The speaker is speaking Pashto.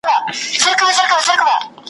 د خان ماینې ته هر څوک بي بي وایي .